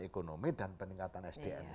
ekonomi dan peningkatan sdn